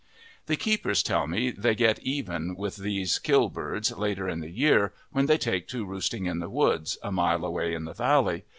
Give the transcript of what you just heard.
The keepers tell me they get even with these kill birds later in the year, when they take to roosting in the woods, a mile away in the valley.